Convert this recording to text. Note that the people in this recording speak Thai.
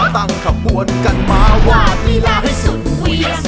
หัวใจบังบวน